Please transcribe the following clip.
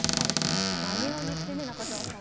まげを結って中澤さん。